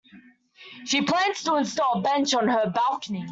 She plans to install a bench on her balcony.